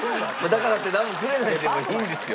だからって何もくれないでもいいんですよ。